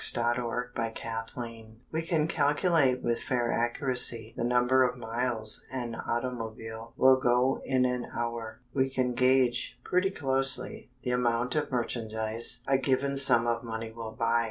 _ THE ARROW AND THE SONG We can calculate with fair accuracy the number of miles an automobile will go in an hour. We can gauge pretty closely the amount of merchandise a given sum of money will buy.